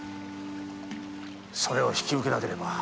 それを引き受けなければ。